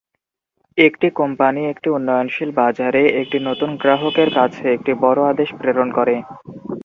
একটি কোম্পানি একটি উন্নয়নশীল বাজারে একটি নতুন গ্রাহকের কাছে একটি বড় আদেশ প্রেরণ করে।